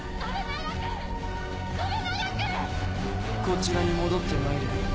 こちらに戻ってまいれ。